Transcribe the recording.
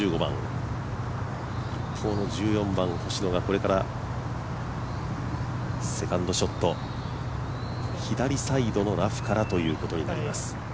一方、１４番、星野がこれからセカンドショット左サイドのラフからということになります。